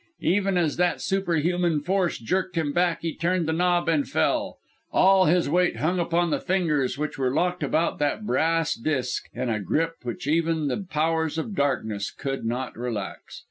Even as that superhuman force jerked him back, he turned the knob and fell. All his weight hung upon the fingers which were locked about that brass disk in a grip which even the powers of Darkness could not relax.